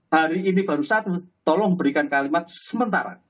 hari ini baru satu tolong berikan kalimat sementara